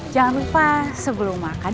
jangan lupa sebelum makan